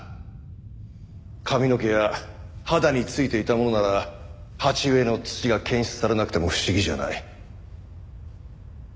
髪の毛や肌に付いていたものなら鉢植えの土が検出されなくても不思議じゃない。